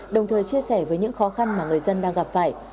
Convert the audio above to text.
đồng thời chia sẻ với những khó khăn mà người dân đang gặp phải